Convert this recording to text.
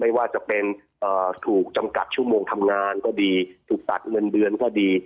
ไม่ว่าจะเป็นถูกจำกัดชั่วโมงทำงานก็ดีถูกตัดเงินเดือนก็ดี